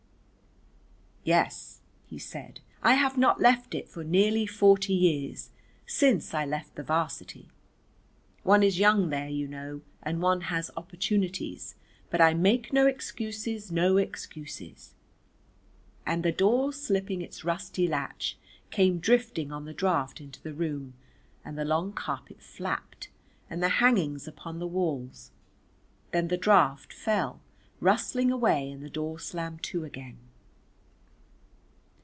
"Yes," he said, "I have not left it for nearly forty years. Since I left the 'Varsity. One is young there, you know, and one has opportunities; but I make no excuses, no excuses." And the door slipping its rusty latch, came drifting on the draught into the room, and the long carpet flapped and the hangings upon the walls, then the draught fell rustling away and the door slammed to again.